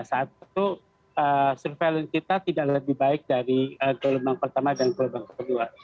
satu surveillance kita tidak lebih baik dari gelombang pertama dan gelombang kedua